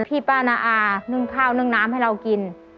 พี่ป้านาอานึ่งข้าวนึ่งน้ำให้เรากิน